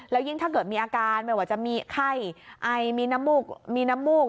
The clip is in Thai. แล้วยิ่งถ้าเกิดมีอาการแม้ว่าจะมีไข้ไอมีน้ำมูก